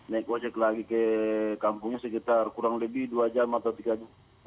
naik ojek lagi ke kampungnya sekitar kurang lebih dua jam atau tiga jam